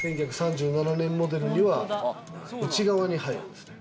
１９３７年モデルには内側に入るんですね。